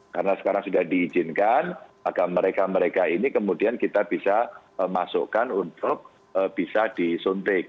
karena sekarang sudah diizinkan agar mereka mereka ini kemudian kita bisa masukkan untuk bisa disuntik